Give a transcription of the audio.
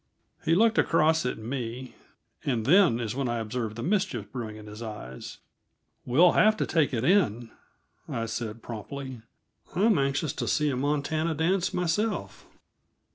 He looked across at me, and then is when I observed the mischief brewing in his eyes. "We'll have to take it in," I said promptly. "I'm anxious to see a Montana dance, myself."